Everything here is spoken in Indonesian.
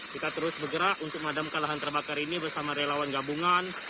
kita terus bergerak untuk memadamkan lahan terbakar ini bersama relawan gabungan